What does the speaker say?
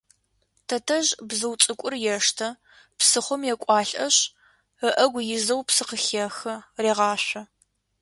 Тэтэжъ бзыу цӏыкӏур ештэ, псыхъом екӏуалӏэшъ, ыӏэгу изэу псы къыхехы, регъашъо.